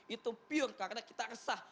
itu pure karena kita resah